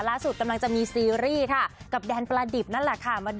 กำลังจะมีซีรีส์ค่ะกับแดนประดิบนั่นแหละค่ะ